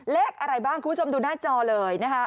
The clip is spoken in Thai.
เลขอะไรบ้างคุณผู้ชมดูหน้าจอเลยนะคะ